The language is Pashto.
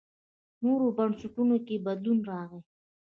نورو بنسټونو کې بدلون راغی.